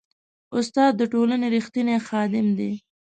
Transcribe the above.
استاد د ټولنې ریښتینی خادم دی.